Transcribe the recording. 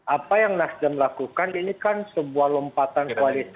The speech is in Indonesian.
apa yang nasdem lakukan ini kan sebuah lompatan koalisi